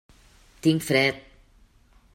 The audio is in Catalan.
Tinc fred.